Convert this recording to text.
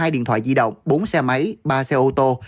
hai mươi hai điện thoại di động bốn xe máy ba xe ô tô